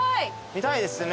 見たいですね。